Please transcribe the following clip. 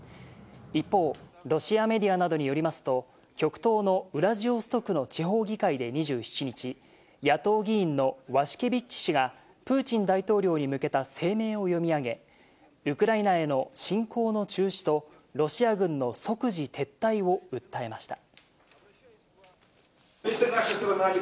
一方、ロシアメディアなどによりますと、極東のウラジオストクの地方議会で２７日、野党議員のワシュケビッチ氏が、プーチン大統領に向けた声明を読み上げ、ウクライナへの侵攻の中止と、ロシア軍の即時撤退を訴えました。